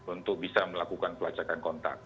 untuk bisa melakukan pelacakan kontak